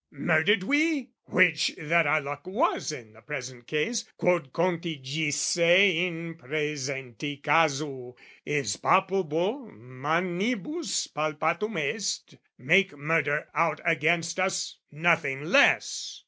Murdered we? ( Which, that our luck was in the present case, Quod contigisse in prAesenti casu, Is palpable, manibus palpatum est ) Make murder out against us, nothing less!